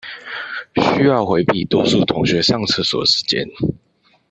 需要迴避多數同學上廁所的時間